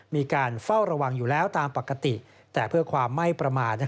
มีการเฝ้าระวังอยู่แล้วตามปกติแต่เพื่อความไม่ประมาท